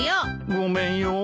ごめんよ。